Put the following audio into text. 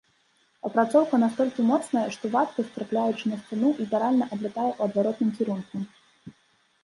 Апрацоўка настолькі моцная, што вадкасць, трапляючы на сцяну, літаральна адлятае ў адваротным кірунку.